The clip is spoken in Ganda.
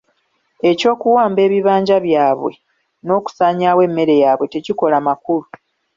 Eky'okuwamba ebibanja byabwe n'okusaanyaawo emmere yaabwe tekikola makulu.